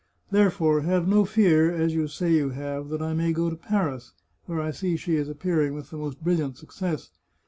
Therefore, have no fear, as you say you have, that I may go to Paris, where I see she is appearing with the most brilliant success.